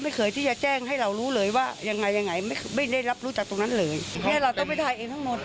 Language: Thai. เป็นห้องน้ำริมหาด